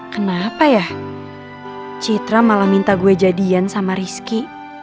kenapa ya citra malah minta gue jadian sama rizky